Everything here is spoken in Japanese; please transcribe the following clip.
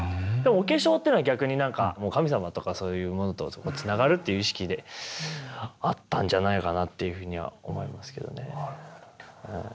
お化粧ってのは逆になんか神様とかそういうものとつながるという意識であったんじゃないかなっていうふうには思いますけどね。